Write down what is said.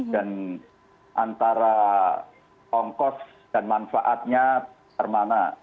dan antara ongkos dan manfaatnya termana